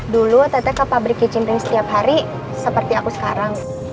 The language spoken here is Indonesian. dulu tete ke pabrik kicimring setiap hari seperti aku sekarang